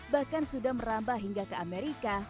bahkan sudah merambah hingga ke amerika